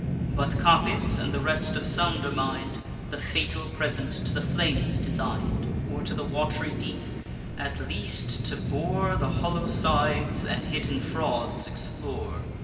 But Capys, and the rest of sounder mind, The fatal present to the flames designed, Or to the wat'ry deep; at least to bore The hollow sides, and hidden frauds explore.